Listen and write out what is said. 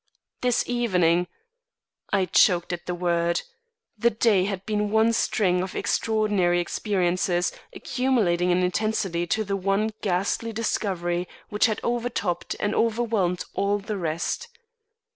This evening" I choked at the word. The day had been one string of extraordinary experiences, accumulating in intensity to the one ghastly discovery which had overtopped and overwhelmed all the rest.